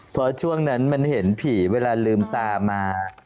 เพราะช่วงนั้นมันเห็นผีเวลาลืมตามา